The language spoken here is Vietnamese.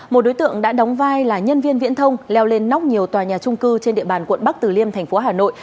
một đối tượng đã đóng vai là nhân viên viễn thông leo lên nóc nhiều tòa nhà trung cư trên địa bàn quận bắc tử liêm thành phố hà nội